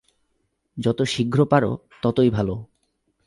যত শীঘ্র পার, ততই ভাল।